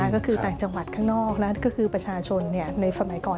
ก็คือต่างจังหวัดข้างนอกก็คือประชาชนในสมัยก่อน